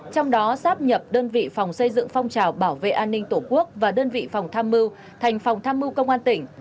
trong đó sáp nhập đơn vị phòng xây dựng phong trào bảo vệ an ninh tổ quốc và đơn vị phòng tham mưu thành phòng tham mưu công an tỉnh